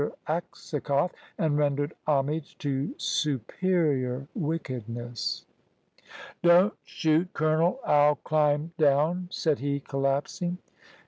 Aksakoff, and rendered homage to superior wickedness. "Don't shoot, colonel, I'll climb down," said he, collapsing.